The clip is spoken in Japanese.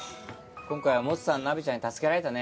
今回はモツさんナベちゃんに助けられたね。